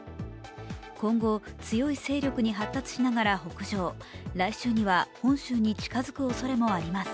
今後、強い勢力に発達しながら北上来週には本州に近づくおそれもあります。